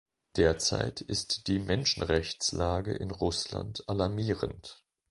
Derzeit ist die Menschenrechtslage in Russland alarmierend.